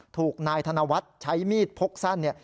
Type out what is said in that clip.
ถูกนายธนวัฒน์ใช้มีดพกสั้นเนี่ย